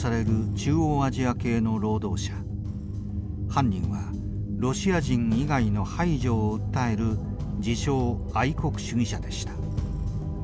犯人はロシア人以外の排除を訴える自称愛国主義者でした。